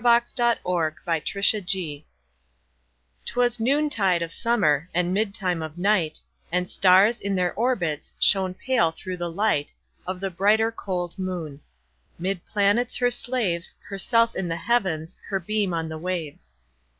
1827 Evening Star 'Twas noontide of summer, And midtime of night, And stars, in their orbits, Shone pale, through the light Of the brighter, cold moon. 'Mid planets her slaves, Herself in the Heavens, Her beam on the waves.